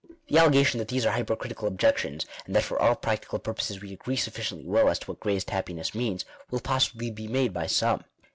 The allegation that these are hypercritical objections, and that for all practical purposes we agree sufficiently well as to what " greatest happiness" means, will possibly be made by some.